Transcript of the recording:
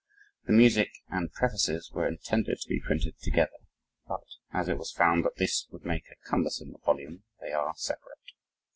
The music and prefaces were intended to be printed together, but as it was found that this would make a cumbersome volume they are separate.